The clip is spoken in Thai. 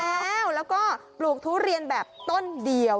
แล้วก็ปลูกทุเรียนแบบต้นเดียว